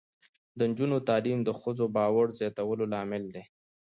د نجونو تعلیم د ښځو باور زیاتولو لامل دی.